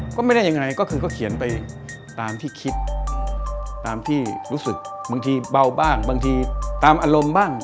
ก็ไม่ได้ยังไงก็คือเขาเขียนไปตามที่คิดตามที่รู้สึกบางทีเบาบ้างบางทีตามอารมณ์บ้าง